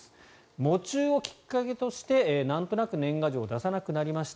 喪中をきっかけとしてなんとなく年賀状を出さなくなりました。